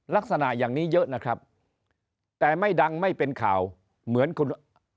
ลักษณะอย่างนี้เยอะนะครับแต่ไม่ดังไม่เป็นข่าวเหมือนคุณ